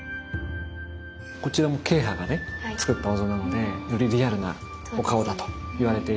こちらも慶派がねつくったお像なのでよりリアルなお顔だといわれているんですね。